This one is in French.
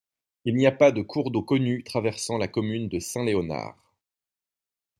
Il n'y a pas de cours d'eau connu traversant la commune de Saint-Léonard.